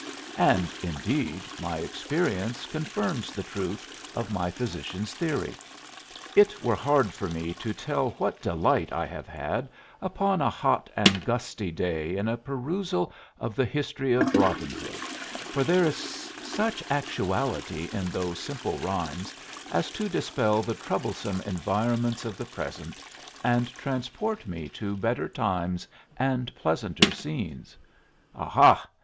And, indeed, my experience confirms the truth of my physician's theory. It were hard for me to tell what delight I have had upon a hot and gusty day in a perusal of the history of Robin Hood, for there is such actuality in those simple rhymes as to dispel the troublesome environments of the present and transport me to better times and pleasanter scenes. Aha!